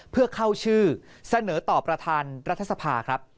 เพื่อเข้าชื่อเสนอต่อประธานรัฐสภาครับ